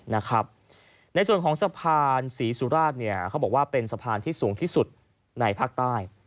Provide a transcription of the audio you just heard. ในส่วนของสะพานศรีสุราชเนี่ยเขาบอกว่าเป็นสะพานที่สูงที่สุดในภาคใต้